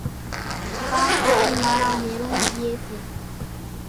ڪان ڪورِي ماڻۿان هيرونَ پيئيَ سي۔